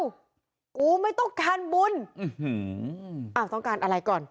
กูไม่ต้องการบุญอื้อหืออ้าวต้องการอะไรก่อน